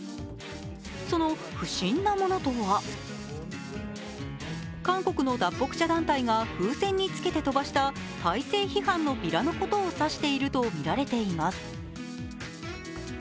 その不審なものとは韓国の脱北者団体が風船につけて飛ばした体制批判のビラのことを指しているとみられています。